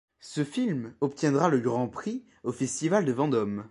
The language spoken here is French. Ce film obtiendra le Grand Prix au festival de Vendôme.